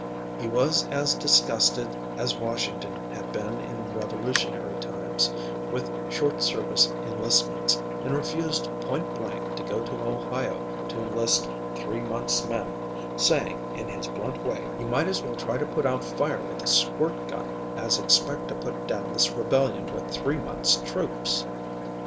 He was as disgusted as Washington had been in revolutionary times, with short service enlistments, and refused point blank to go to Ohio to enlist "three months men," saying, in his blunt way, "You might as well try to put out fire with a squirt gun as expect to put down this rebellion with three months troops."